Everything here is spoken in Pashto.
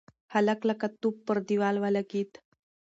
هلک لکه توپ پر دېوال ولگېد.